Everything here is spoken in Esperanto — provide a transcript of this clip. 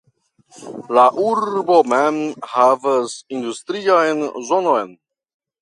La urbo mem havas industrian zonon.